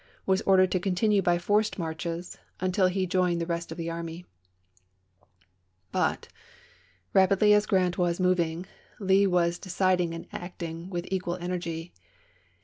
was Ordered to continue by forced marches until he joined the rest of the army. But, rapidly as Grant was moving, Lee was decid ing and acting with equal energy.